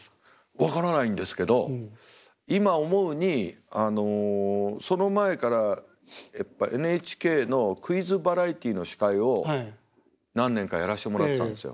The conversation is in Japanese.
分からないんですけど今思うにあのその前からＮＨＫのクイズバラエティーの司会を何年かやらせてもらってたんですよ。